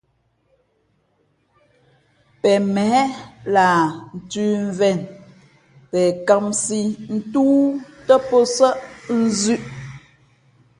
Pen měh lah ntʉ̌mvēn, pen kāmsī ntóó tά pō nsάʼ nzʉ̄ʼ.